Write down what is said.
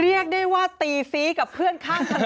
เรียกได้ว่าตีซี้กับเพื่อนข้างถนน